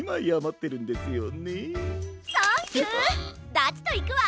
ダチといくわ！